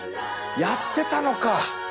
やってたのか！